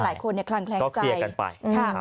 หลายคนคลังแขลงใจ